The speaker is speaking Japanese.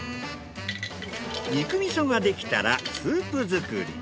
肉味噌ができたらスープ作り。